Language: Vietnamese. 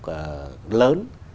rất là lớn